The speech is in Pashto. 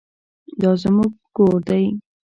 دا زموږ ګور دی؟